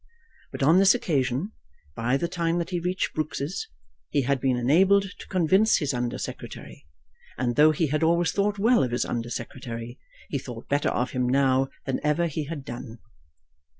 But on this occasion, by the time that he reached Brooks's, he had been enabled to convince his Under Secretary, and though he had always thought well of his Under Secretary, he thought better of him now than ever he had done.